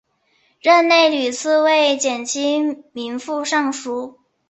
任内屡次为减轻民负上疏。